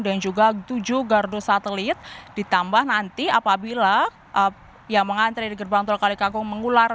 dan juga tujuh gardu satelit ditambah nanti apabila yang mengantre di gerbang tol kalikangkung mengular